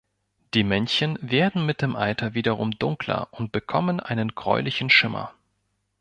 Die Männchen werden mit dem Alter wiederum dunkler und bekommen einen gräulichen Schimmer.